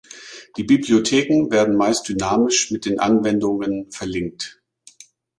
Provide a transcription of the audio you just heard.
Die Bibliotheken werden meist dynamisch mit den Anwendungen verlinkt.